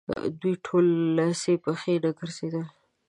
دوی ټول لڅې پښې نه ګرځېدل.